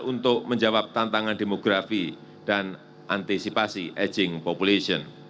untuk menjawab tantangan demografi dan antisipasi aging population